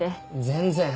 全然。